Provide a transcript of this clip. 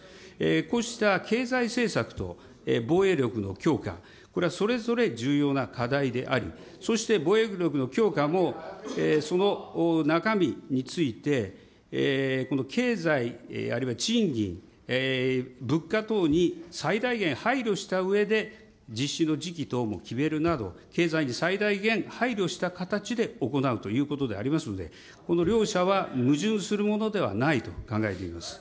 こうした経済政策と防衛力の強化、これはそれぞれ重要な課題であり、そして、防衛力の強化もその中身について、経済、あるいは賃金、物価等に最大限配慮したうえで、実施の時期等も決めるなど、経済に最大限、配慮した形で行うということでありますので、この両者は、矛盾するものではないと考えています。